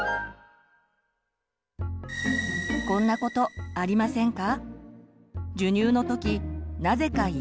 こんなことありませんか？